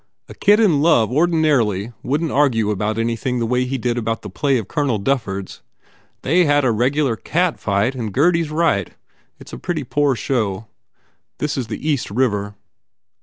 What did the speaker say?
A kid in love ordinarily wouldn t argue about any thing the way he did about this play of Colonel Duffords. They had a regular cat fight and Gurdy s right. It s a pretty poor show. This is the East river."